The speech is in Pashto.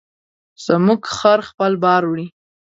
زموږ خر خپل بار وړي.